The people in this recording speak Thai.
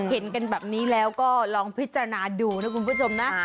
เห็นกันแบบนี้แล้วก็ลองพิจารณาดูนะคุณผู้ชมนะ